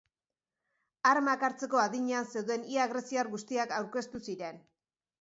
Armak hartzeko adinean zeuden ia greziar guztiak aurkeztu ziren.